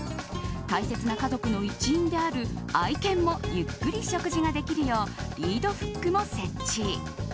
大切な家族の一員である愛犬もゆっくり食事ができるようリードフックも設置。